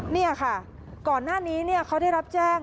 นี่ค่ะก่อนหน้านี้เขาได้รับแจ้ง